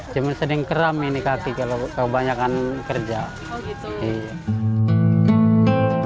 cuma sering keram ini kaki kalau kebanyakan kerja